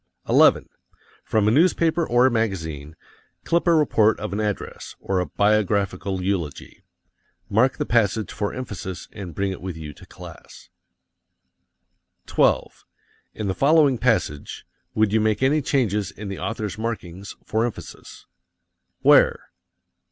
11. From a newspaper or a magazine, clip a report of an address, or a biographical eulogy. Mark the passage for emphasis and bring it with you to class. 12. In the following passage, would you make any changes in the author's markings for emphasis? Where?